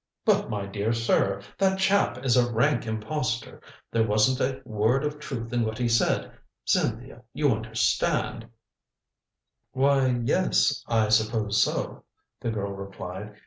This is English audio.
"But my dear sir that chap is a rank impostor. There wasn't a word of truth in what he said. Cynthia you understand " "Why, yes I suppose so," the girl replied.